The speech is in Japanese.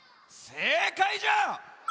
せいかいじゃ！